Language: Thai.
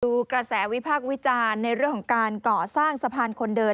กระแสวิพากษ์วิจารณ์ในเรื่องของการก่อสร้างสะพานคนเดิน